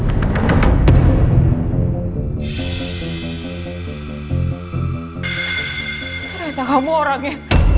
ternyata kamu orangnya